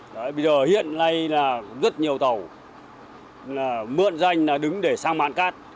bây giờ hiện nay là rất nhiều tàu mượn danh là đứng để sang mạng cát